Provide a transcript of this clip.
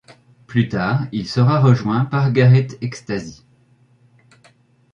Plus tard il sera rejoint par Garrett Ecstasy.